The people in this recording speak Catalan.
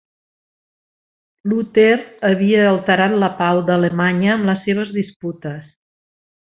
Luter havia alterat la pau d'Alemanya amb les seves disputes.